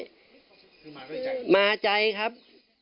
คือมาด้วยใจมาใจครับ